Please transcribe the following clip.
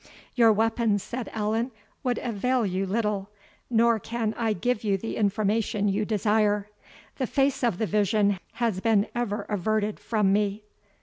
"Your weapons," said Allan, "would avail you little; nor can I give you the information you desire. The face of the vision has been ever averted from me."